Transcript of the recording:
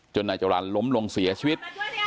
นายจรรย์ล้มลงเสียชีวิต